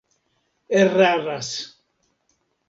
eraras